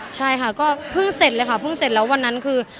ใช่ค่ะก็เพิ่งเสร็จเลยค่ะเพิ่งเสร็จแล้ววันนั้นคือ